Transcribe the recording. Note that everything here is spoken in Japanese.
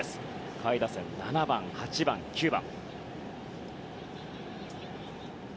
下位打線７番、８番、９番。